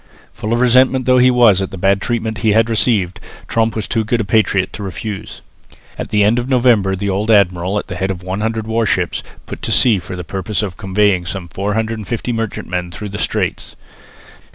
Full of resentment though he was at the bad treatment he had received, Tromp was too good a patriot to refuse. At the end of November the old admiral at the head of 100 warships put to sea for the purpose of convoying some 450 merchantmen through the Straits.